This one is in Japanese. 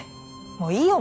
もういいよ